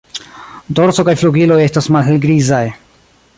Dorso kaj flugiloj estas malhelgrizaj.